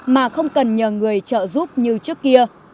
mà không cần nhờ người trợ giúp như trước kia